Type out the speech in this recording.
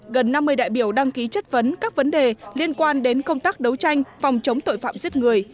gần năm mươi đại biểu đăng ký chất vấn các vấn đề liên quan đến công tác đấu tranh phòng chống tội phạm giết người